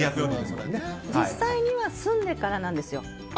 実際には住んでからなんですよ。